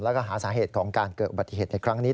แล้วก็หาสาเหตุของการเกิดอุบัติเหตุในครั้งนี้